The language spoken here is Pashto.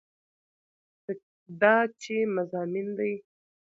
دا چې مضامين دي